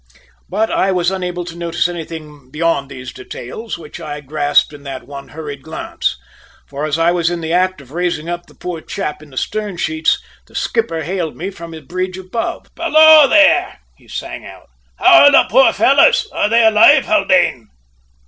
But I was unable to notice anything beyond these details, which I grasped in that one hurried glance; for as I was in the act of raising up the poor chap in the stern sheets, the skipper hailed me from the bridge above. "Below there!" he sang out. "How are the poor fellows? Are they alive, Haldane?"